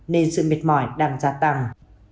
nên sự mệt mỏi đang gia tăng